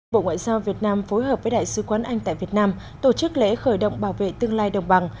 bộ ngoại giao việt nam phối hợp với đại sứ quán anh tại việt nam tổ chức lễ khởi động bảo vệ tương lai đồng bằng